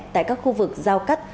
tại các khu vực giao cắt